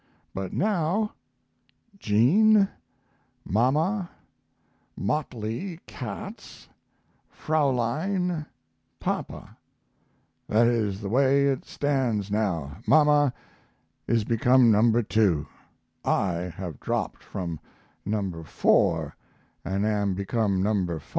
But now: Jean Mama Motley |cats Fraulein | Papa That is the way it stands now. Mama is become No. 2; I have dropped from No. 4, and am become No. 5.